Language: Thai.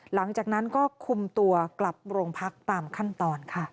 หลังจากนั้นก็คุมตัวกลับโรงพักตามขั้นตอนค่ะ